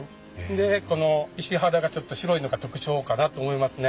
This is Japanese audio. でこの石肌がちょっと白いのが特徴かなと思いますね。